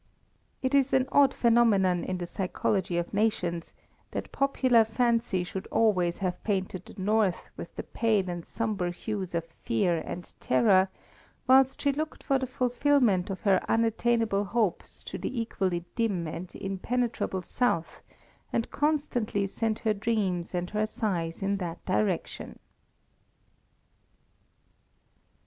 It is an odd phenomenon in the psychology of nations, that popular fancy should always have painted the North with the pale and sombre hues of fear and terror, whilst she looked for the fulfilment of her unattainable hopes to the equally dim and impenetrable South, and constantly sent her dreams and her sighs in that direction.